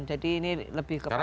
jadi ini lebih kepada